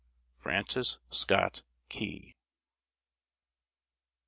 FRANCIS SCOTT KEY.